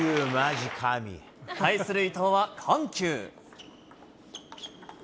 対する伊藤は緩急。